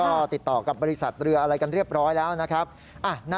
เจ้าหน้าที่บอกว่าทางวัดเนี่ยก็จริงไม่มีส่วนเกี่ยวข้องกับเหตุการณ์ดังกล่าวนะ